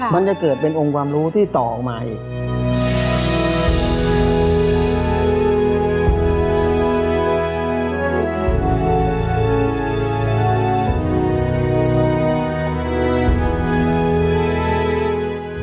มันจะเกิดเป็นองค์ความรู้ที่ต่อออกมาอีก